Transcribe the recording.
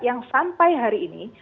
yang sampai hari ini